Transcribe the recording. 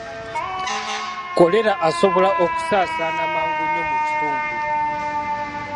Kkolera asobola okusaasaana mangu nnyo mu kitundu